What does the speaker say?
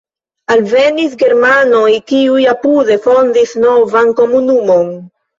Alvenis germanoj, kiuj apude fondis novan komunumon.